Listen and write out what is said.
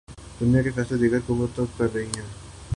دنیا کے فیصلے دیگر قومیں کررہی ہیں۔